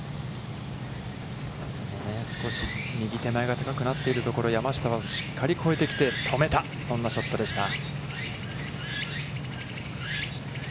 少し右手前が高くなっているところ、山下は、しっかり越えてきて止めた、そんなショットでした。